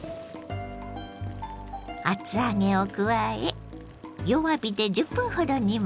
厚揚げを加え弱火で１０分ほど煮ます。